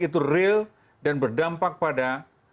itu real dan berdampak pada